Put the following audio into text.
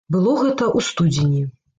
Было гэта ў студзені.